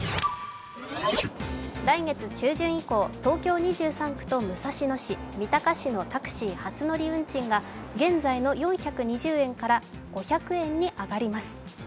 来月中旬以降、東京２３区と武蔵野市三鷹市のタクシー初乗り運賃が現在の４２０円から５００円に上がります。